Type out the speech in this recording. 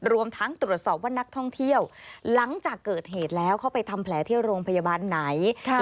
รวมทั้งตรวจสอบว่านักท่องเที่ยวหลังจากเกิดเหตุแล้วเขาไปทำแผลที่โรงพยาบาลไหน